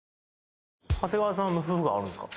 長谷川さんはムフフ顔あるんですか？